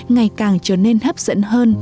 ngày càng trở nên hấp dẫn hơn